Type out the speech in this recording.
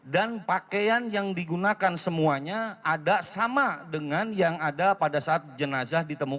dan pakaian yang digunakan semuanya ada sama dengan yang ada pada saat jenazah tersebut